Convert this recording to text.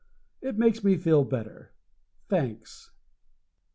It makes me feel better. Thanks.